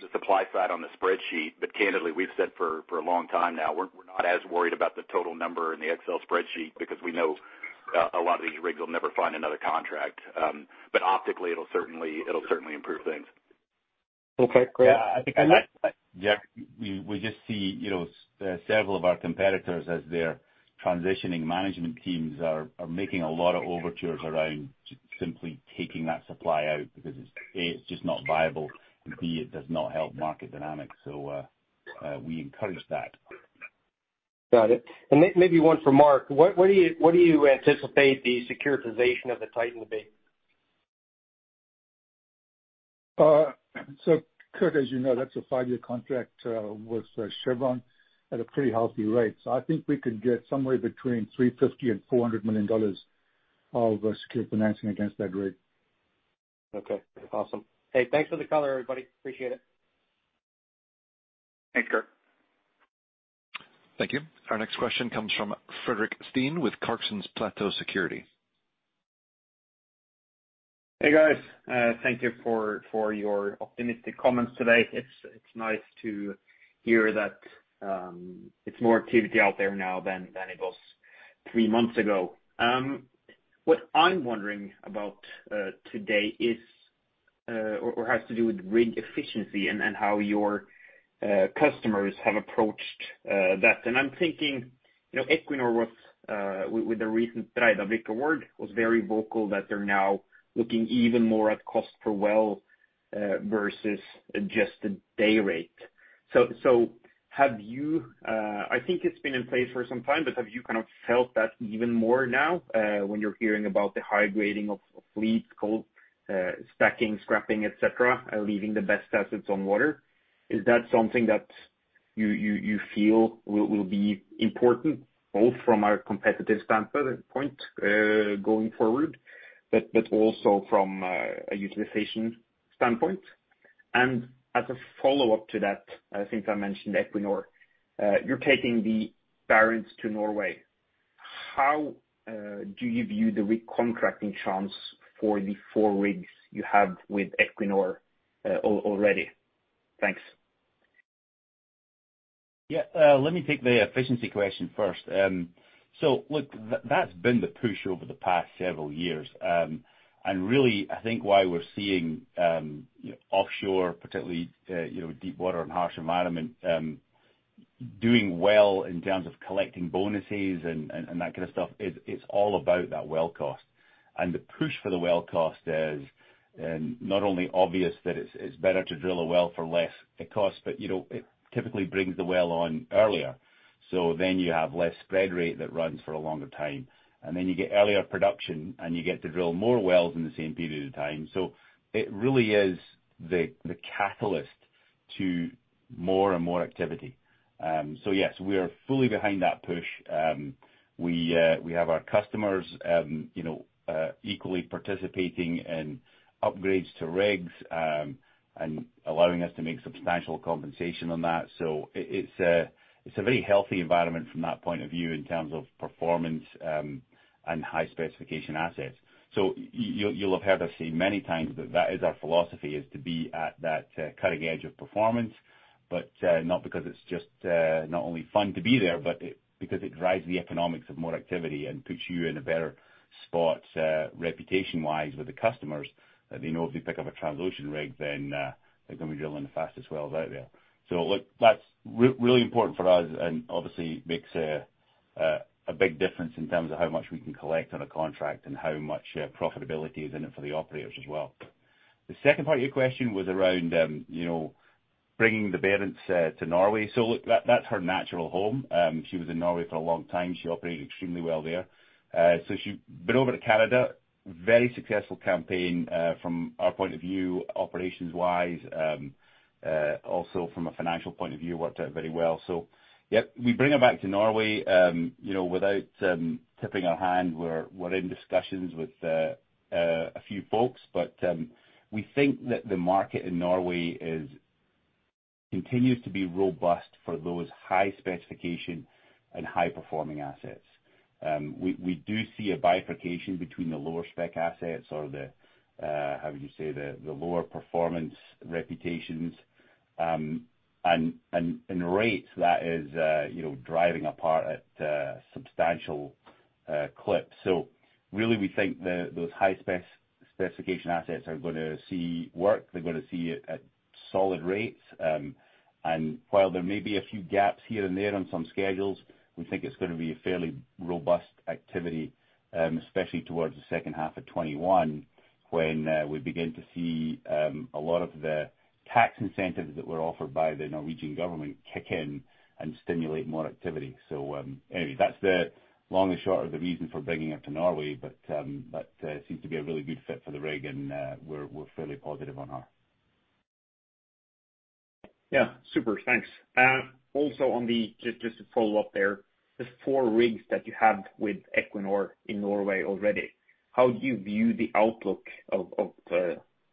Speaker 3: the supply side on the spreadsheet. Candidly, we've said for a long time now, we're not as worried about the total number in the Excel spreadsheet because we know a lot of these rigs will never find another contract. Optically, it'll certainly improve things.
Speaker 8: Okay, great.
Speaker 6: We just see several of our competitors as their transitioning management teams are making a lot of overtures around just simply taking that supply out because it's, A, it's just not viable, and B, it does not help market dynamics. We encourage that.
Speaker 8: Got it. Maybe one for Mark. What do you anticipate the securitization of the Titan will be?
Speaker 4: Kurt, as you know, that's a five-year contract with Chevron at a pretty healthy rate. I think we could get somewhere between $350 and $400 million of secured financing against that rig.
Speaker 8: Okay, awesome. Hey, thanks for the color, everybody. Appreciate it.
Speaker 3: Thanks, Kurt.
Speaker 1: Thank you. Our next question comes from Fredrik Stene with Clarksons Platou Securities.
Speaker 9: Hey, guys. Thank you for your optimistic comments today. It's nice to hear that it's more activity out there now than it was three months ago. What I'm wondering about today is, or has to do with rig efficiency and how your customers have approached that. I'm thinking, Equinor was, with the recent award, was very vocal that they're now looking even more at cost per well versus just the day rate. Have you, I think it's been in place for some time, but have you kind of felt that even more now, when you're hearing about the high grading of fleets cold stacking, scrapping, et cetera, leaving the best assets on water? Is that something that you feel will be important both from a competitive standpoint going forward, but also from a utilization standpoint. As a follow-up to that, I think I mentioned Equinor. You're taking the Barents to Norway. How do you view the recontracting chance for the four rigs you have with Equinor already? Thanks.
Speaker 6: Yeah. Let me take the efficiency question first. Look, that's been the push over the past several years. Really, I think why we're seeing offshore, particularly, deepwater and harsh environment doing well in terms of collecting bonuses and that kind of stuff, it's all about that well cost. The push for the well cost is not only obvious that it's better to drill a well for less, it costs, but it typically brings the well on earlier. You have less spread rate that runs for a longer time, and then you get earlier production, and you get to drill more wells in the same period of time. It really is the catalyst to more and more activity. Yes, we are fully behind that push. We have our customers equally participating in upgrades to rigs, allowing us to make substantial compensation on that. It's a very healthy environment from that point of view in terms of performance, and high specification assets. You'll have heard us say many times that is our philosophy, is to be at that cutting edge of performance, but not because it's just not only fun to be there, but because it drives the economics of more activity and puts you in a better spot, reputation-wise with the customers, that they know if they pick up a Transocean rig, they're going to be drilling the fastest wells out there. Look, that's really important for us and obviously makes a big difference in terms of how much we can collect on a contract and how much profitability is in it for the operators as well. The second part of your question was around bringing the Barents to Norway. Look, that's her natural home. She was in Norway for a long time. She operated extremely well there. She's been over to Canada, very successful campaign, from our point of view, operations-wise. Also from a financial point of view, worked out very well. Yeah, we bring her back to Norway. Without tipping our hand, we're in discussions with a few folks, but, we think that the market in Norway continues to be robust for those high specification and high performing assets. We do see a bifurcation between the lower spec assets or the, how would you say, the lower performance reputations, and rates that is driving apart at a substantial clip. Really, we think those high specification assets are going to see work, they're going to see it at solid rates. While there may be a few gaps here and there on some schedules, we think it's going to be a fairly robust activity, especially towards the second half of 2021 when we begin to see a lot of the tax incentives that were offered by the Norwegian government kick in and stimulate more activity. Anyway, that's the long and short of the reason for bringing her to Norway. Seems to be a really good fit for the rig, and we're fairly positive on her.
Speaker 9: Super, thanks. Also just to follow up there, the four rigs that you have with Equinor in Norway already, how do you view the outlook of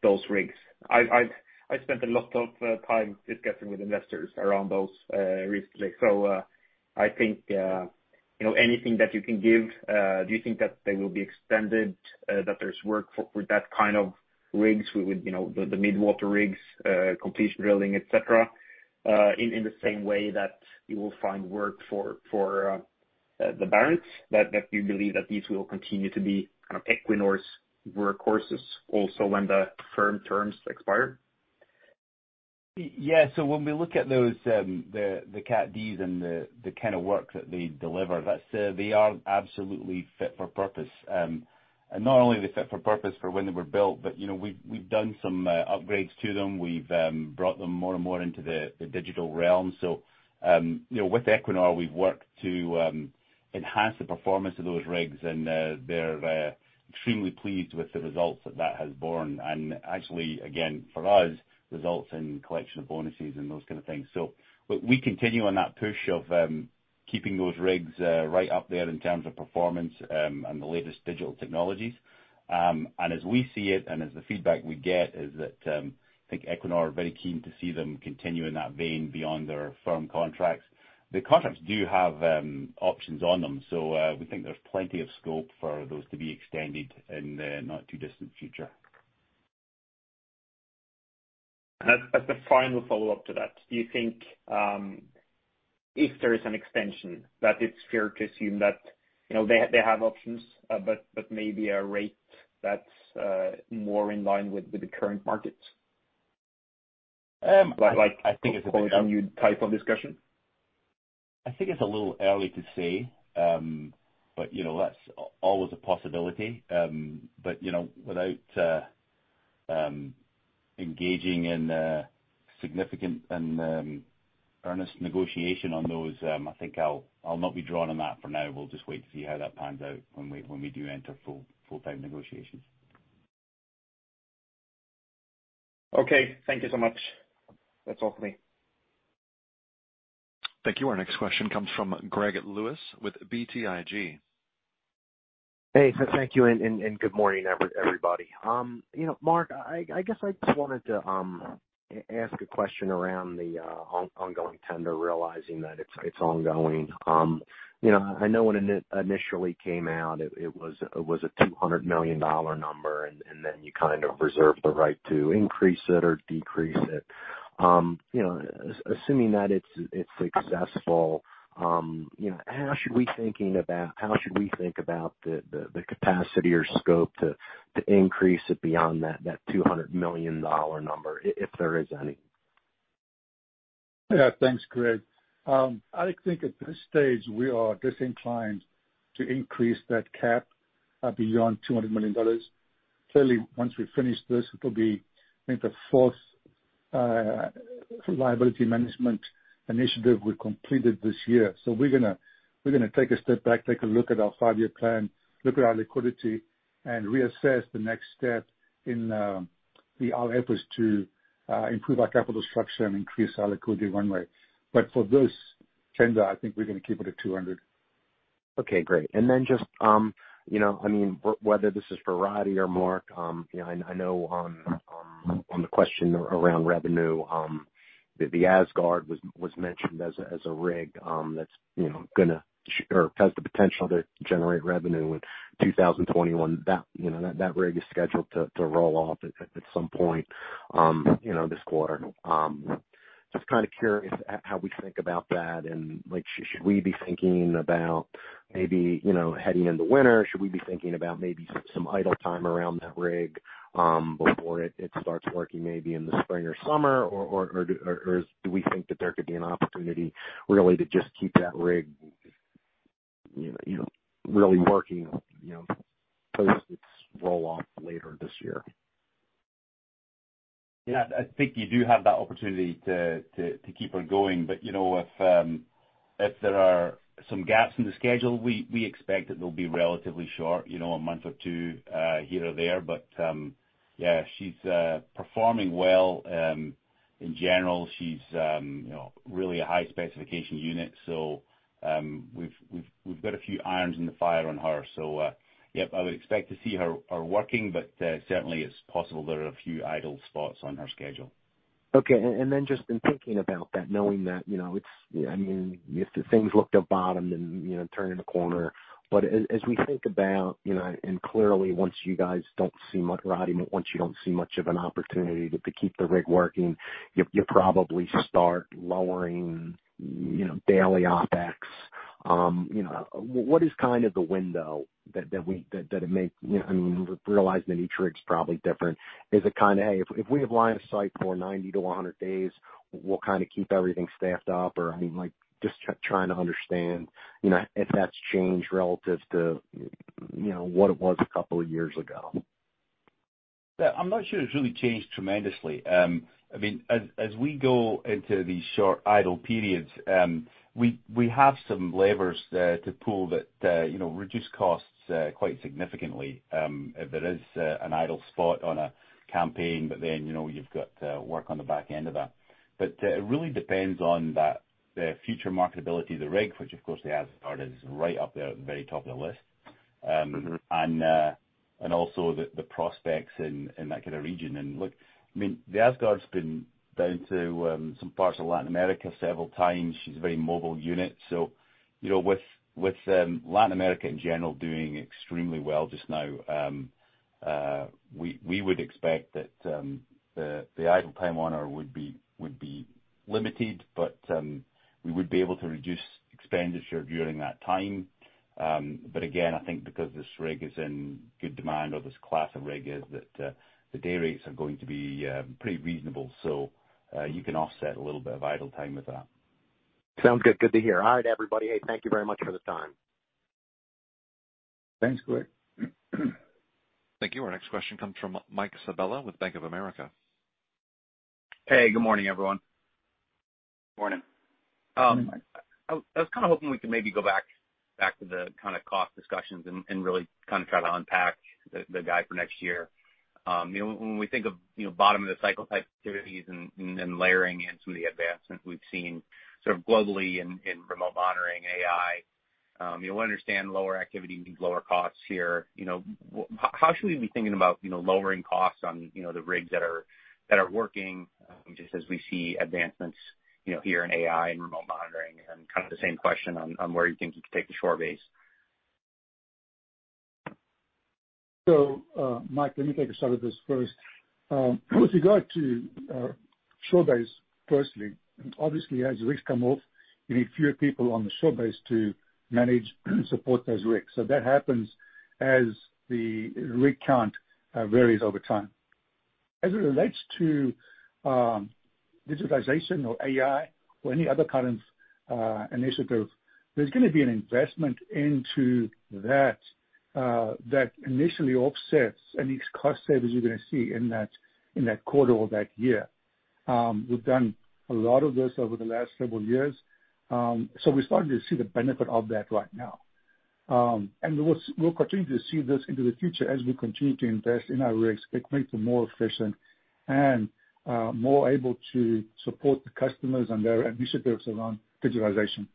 Speaker 9: those rigs? I spent a lot of time discussing with investors around those recently. I think anything that you can give, do you think that they will be extended, that there's work for that kind of rigs with the mid-water rigs, completion drilling, et cetera, in the same way that you will find work for the Barents, that you believe that these will continue to be kind of Equinor's workhorses also when the firm terms expire?
Speaker 6: Yeah. When we look at those, the Cat D and the kind of work that they deliver, they are absolutely fit for purpose. Not only are they fit for purpose for when they were built, but we've done some upgrades to them. We've brought them more and more into the digital realm. With Equinor, we've worked to enhance the performance of those rigs, and they're extremely pleased with the results that that has borne. Actually, again, for us, results in collection of bonuses and those kind of things. We continue on that push of keeping those rigs right up there in terms of performance, and the latest digital technologies. As we see it, and as the feedback we get is that, I think Equinor are very keen to see them continue in that vein beyond their firm contracts. The contracts do have options on them, so we think there's plenty of scope for those to be extended in the not too distant future.
Speaker 9: As the final follow-up to that, do you think, if there is an extension, that it's fair to assume that they have options, but maybe a rate that's more in line with the current market?
Speaker 6: I think it's-
Speaker 9: continued type of discussion?
Speaker 6: I think it's a little early to say. That's always a possibility. Without engaging in a significant and earnest negotiation on those, I think I'll not be drawn on that for now. We'll just wait to see how that pans out when we do enter full-time negotiations.
Speaker 9: Okay, thank you so much. That's all for me.
Speaker 1: Thank you. Our next question comes from Greg Lewis with BTIG.
Speaker 10: Hey, thank you, and good morning, everybody. Mark, I guess I just wanted to ask a question around the ongoing tender, realizing that it's ongoing. I know when it initially came out, it was a $200 million number, and then you kind of reserved the right to increase it or decrease it. Assuming that it's successful, how should we think about the capacity or scope to increase it beyond that $200 million number, if there is any?
Speaker 4: Yeah. Thanks, Greg. I think at this stage, we are disinclined to increase that cap beyond $200 million. Once we finish this, it'll be, I think, the fourth liability management initiative we completed this year. We're going to take a step back, take a look at our five-year plan, look at our liquidity, and reassess the next step in our efforts to improve our capital structure and increase our liquidity one way. For this tender, I think we're going to keep it at $200.
Speaker 10: Okay, great. Then just, whether this is for Roddie or Mark, I know on the question around revenue, the Asgard was mentioned as a rig that has the potential to generate revenue in 2021. That rig is scheduled to roll off at some point this quarter. Just kind of curious how we think about that and should we be thinking about maybe heading into winter? Should we be thinking about maybe some idle time around that rig before it starts working, maybe in the spring or summer? Do we think that there could be an opportunity, really, to just keep that rig really working post its roll off later this year?
Speaker 6: Yeah, I think you do have that opportunity to keep her going. If there are some gaps in the schedule, we expect that they'll be relatively short, a month or two here or there. Yeah, she's performing well. In general, she's really a high-specification unit, so we've got a few irons in the fire on her. Yeah, I would expect to see her working, but certainly it's possible there are a few idle spots on her schedule.
Speaker 10: Okay. Just in thinking about that, knowing that if things look to bottom, then turning the corner. As we think about, and clearly, once you don't see much of an opportunity to keep the rig working, you probably start lowering daily OpEx. What is kind of the window, I mean, realizing that each rig's probably different. Is it kind of, hey, if we have line of sight for 90-100 days, we'll kind of keep everything staffed up? Or, I mean, just trying to understand if that's changed relative to what it was a couple of years ago.
Speaker 6: I'm not sure it's really changed tremendously. I mean, as we go into these short idle periods, we have some levers there to pull that reduce costs quite significantly if there is an idle spot on a campaign, but then you've got work on the back end of that. It really depends on the future marketability of the rig, which of course, the Asgard is right up there at the very top of the list. Also the prospects in that kind of region. Look, I mean, the Asgard's been down to some parts of Latin America several times. She's a very mobile unit. With Latin America in general doing extremely well just now, we would expect that the idle time on her would be limited, but we would be able to reduce expenditure during that time. Again, I think because this rig is in good demand, or this class of rig is, that the day rates are going to be pretty reasonable. You can offset a little bit of idle time with that.
Speaker 10: Sounds good. Good to hear. All right, everybody. Hey, thank you very much for the time.
Speaker 6: Thanks, Greg.
Speaker 1: Thank you. Our next question comes from Mike Sabella with Bank of America.
Speaker 11: Hey, good morning, everyone.
Speaker 6: Morning.
Speaker 11: I was kind of hoping we could maybe go back to the kind of cost discussions and really kind of try to unpack the guide for next year. When we think of bottom of the cycle type activities and then layering in some of the advancements we've seen sort of globally in remote monitoring, AI, we understand lower activity means lower costs here. How should we be thinking about lowering costs on the rigs that are working, just as we see advancements here in AI and remote monitoring? Kind of the same question on where you think you can take the shore base.
Speaker 4: Mike, let me take a shot at this first. With regard to shore base, firstly, obviously, as rigs come off, you need fewer people on the shore base to manage and support those rigs. That happens as the rig count varies over time. As it relates to digitization or AI or any other kind of initiative, there's going to be an investment into that initially offsets any cost savings you're going to see in that quarter or that year. We've done a lot of this over the last several years, so we're starting to see the benefit of that right now. We'll continue to see this into the future as we continue to invest in our rigs. It makes them more efficient and more able to support the customers and their initiatives around digitalization.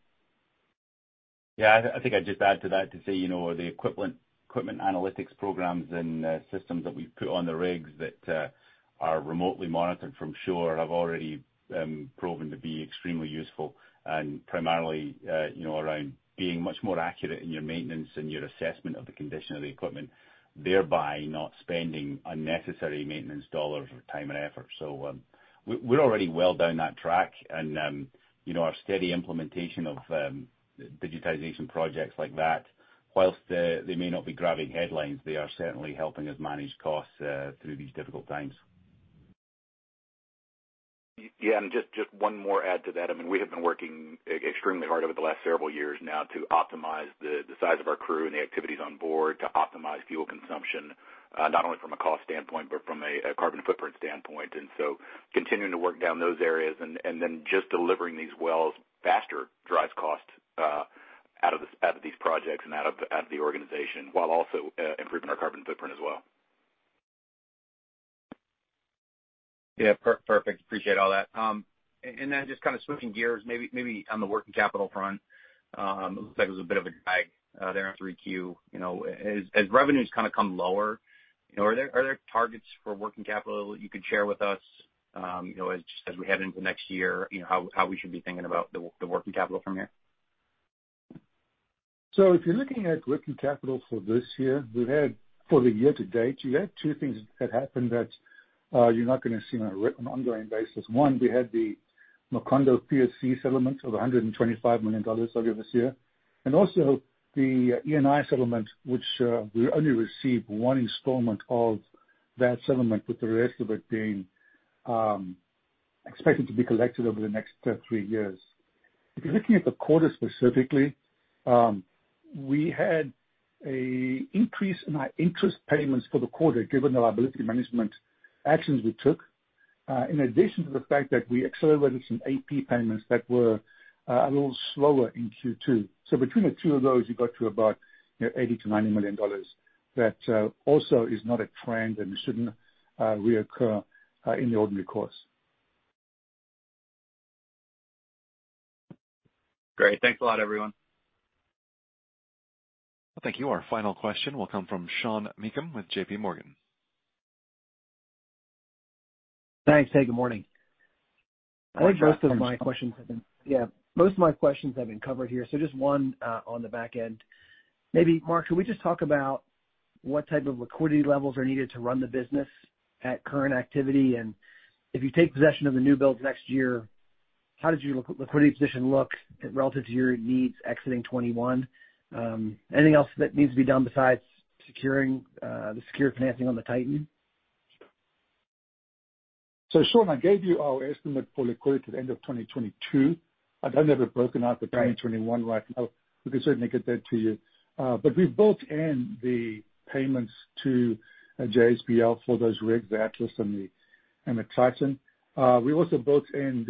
Speaker 6: Yeah, I think I'd just add to that to say, the equipment analytics programs and systems that we've put on the rigs that are remotely monitored from shore have already proven to be extremely useful and primarily around being much more accurate in your maintenance and your assessment of the condition of the equipment, thereby not spending unnecessary maintenance dollars or time and effort. We're already well down that track and our steady implementation of digitization projects like that, whilst they may not be grabbing headlines, they are certainly helping us manage costs through these difficult times.
Speaker 3: Yeah. Just one more add to that. I mean, we have been working extremely hard over the last several years now to optimize the size of our crew and the activities on board to optimize fuel consumption, not only from a cost standpoint, but from a carbon footprint standpoint. Continuing to work down those areas and then just delivering these wells faster drives cost out of these projects and out of the organization while also improving our carbon footprint as well.
Speaker 11: Yeah. Perfect. Appreciate all that. Just kind of switching gears, maybe on the working capital front, it looks like it was a bit of a drag there on 3Q. As revenues kind of come lower, are there targets for working capital that you could share with us, as we head into next year, how we should be thinking about the working capital from here?
Speaker 4: If you're looking at working capital for this year, for the year to date, you had two things that happened that you're not going to see on an ongoing basis. One, we had the Macondo PSC settlement of $125 million earlier this year, and also the Eni settlement, which we only received one installment of that settlement, with the rest of it being expected to be collected over the next two, three years. If you're looking at the quarter specifically, we had an increase in our interest payments for the quarter, given the liability management actions we took, in addition to the fact that we accelerated some AP payments that were a little slower in Q2. Between the two of those, you got to about $80 million-$90 million. That also is not a trend and it shouldn't reoccur in the ordinary course.
Speaker 11: Great. Thanks a lot, everyone.
Speaker 1: Thank you. Our final question will come from Sean Meakim with JPMorgan.
Speaker 12: Thanks. Hey, good morning.
Speaker 4: Hi, Sean.
Speaker 12: Yeah. Most of my questions have been covered here, so just one on the back end. Maybe, Mark, can we just talk about what type of liquidity levels are needed to run the business at current activity? If you take possession of the newbuilds next year, how does your liquidity position look relative to your needs exiting 2021? Anything else that needs to be done besides the secured financing on the Titan?
Speaker 4: Sean, I gave you our estimate for liquidity at the end of 2022. I don't have it broken out for 2021 right now. We can certainly get that to you. We've built in the payments to JSPL for those rigs, the Atlas and the Titan. We also built in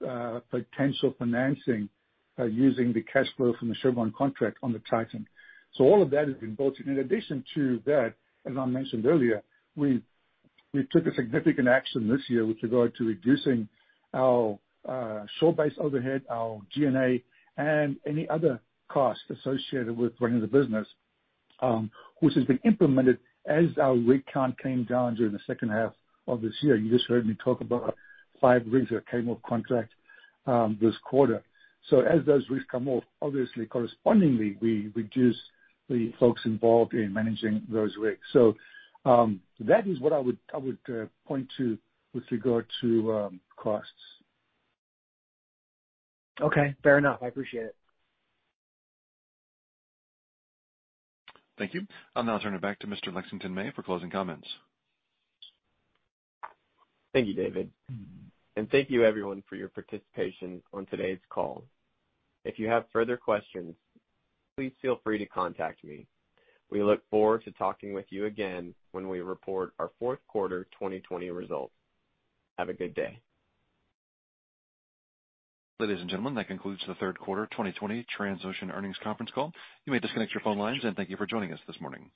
Speaker 4: the potential financing using the cash flow from the Chevron contract on the Titan. All of that has been built in. In addition to that, as I mentioned earlier, we took a significant action this year with regard to reducing our shore-based overhead, our G&A, and any other costs associated with running the business, which has been implemented as our rig count came down during the second half of this year. You just heard me talk about five rigs that came off contract this quarter. As those rigs come off, obviously correspondingly, we reduce the folks involved in managing those rigs. That is what I would point to with regard to costs.
Speaker 12: Okay, fair enough. I appreciate it.
Speaker 1: Thank you. I'll now turn it back to Mr. Lexington May for closing comments.
Speaker 2: Thank you, David. Thank you everyone for your participation on today's call. If you have further questions, please feel free to contact me. We look forward to talking with you again when we report our fourth quarter 2020 results. Have a good day.
Speaker 1: Ladies and gentlemen, that concludes the third quarter 2020 Transocean earnings conference call. You may disconnect your phone lines, and thank you for joining us this morning.